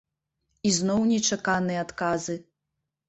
І зноў нечаканыя адказы!